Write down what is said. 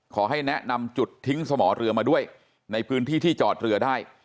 ขอให้แนะนำจุดทิ้งสมอเรือมาด้วยในพื้นที่ที่จอดเรือได้